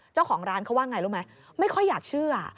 เจ้าของร้านเขาว่าไงรู้ไหมไม่ค่อยอยากเชื่อ